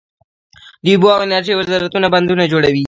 د اوبو او انرژۍ وزارت بندونه جوړوي